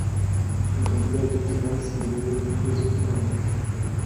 Un candidat est optimal s'il est meilleur que tous les autres candidats.